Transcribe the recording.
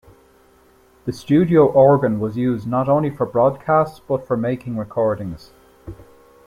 The studio organ was used not only for broadcasts but for making recordings.